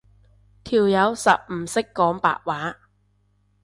條友實唔識講白話